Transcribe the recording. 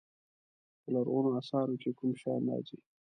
په لرغونو اثارو کې کوم شیان راځي.